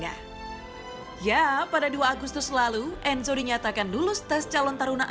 saya orang indonesia